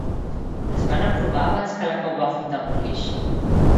Es van aprovar abans que la que ho va fundar morís?